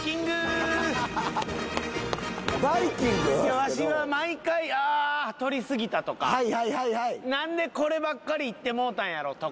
わしは毎回「ああ取りすぎた！」とか「なんでこればっかりいってもうたんやろ」とか。